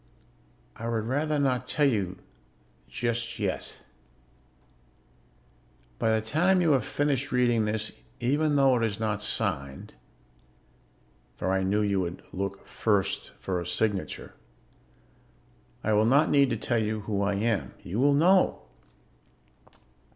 I would rather not tell you just yet. By the time you have finished reading this, even though it is not signed (for I knew you would look first for a signature), I will not need to tell you who I am. You will know.